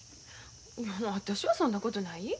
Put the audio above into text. いや私はそんなことない。